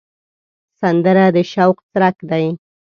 سندره د شوق څرک دی